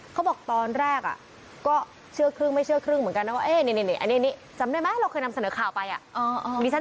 เขาบอกตอนแรกอ่ะกลดเชื่อครึ่งไม่เชื่อครึ่งเหมือนกันนะว่าเง่นหยุด